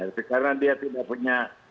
tapi karena dia tidak punya